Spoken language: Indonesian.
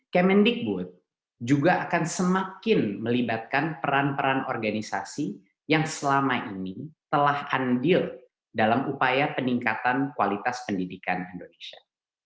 kemendikbud juga akan semakin melibatkan peran peran organisasi yang selama ini telah andil dalam upaya peningkatan kualitas pendidikan indonesia